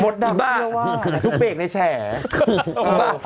หมดดำเชื่อว่าทุกเปรกในแชร์อ๋อบ้า